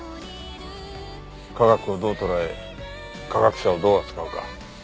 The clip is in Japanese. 科学をどう捉え科学者をどう扱うか。